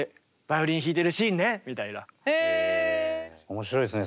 面白いですね